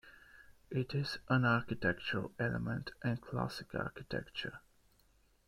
It is an architectural element in Classical architecture.